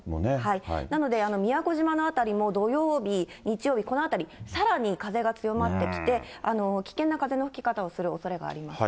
なので、宮古島の辺りも土曜日、日曜日、このあたり、さらに風が強まってきて、危険な風の吹き方をするおそれがあります。